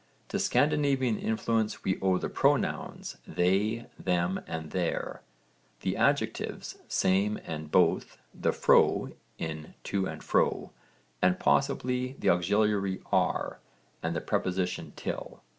To Scandinavian influence we owe the pronouns they, them and their, the adjectives same and both, the fro in to and fro and possibly the auxiliary are and the preposition till.